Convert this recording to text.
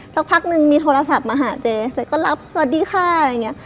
สักพักนึงมีโทรศัพท์มาหาเจ๊เจ๊ก็รับสวัสดีค่ะอะไรอย่างนี้